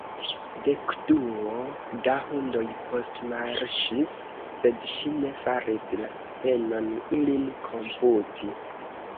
Dekduo da hundoj postmarŝis; sed ŝi ne faris la penon, ilin komputi.